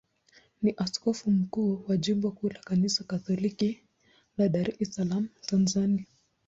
ni askofu mkuu wa jimbo kuu la Kanisa Katoliki la Dar es Salaam, Tanzania.